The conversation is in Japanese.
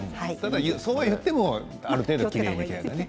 そうは言ってもある程度きれいに着ないとね。